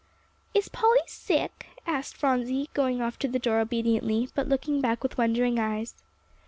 "Is Polly sick?" asked Phronsie, going off to the door obediently, but looking back with wondering eyes.